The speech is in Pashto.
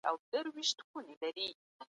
زېربنايي چارو ته پام مه کموئ.